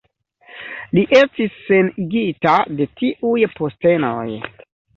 Li estis senigita de tiuj postenoj.